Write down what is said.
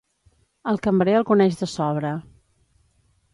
El cambrer el coneix de sobra.